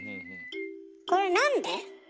これなんで？